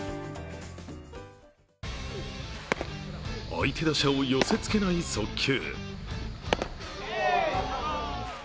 相手打者を寄せ付けない速球。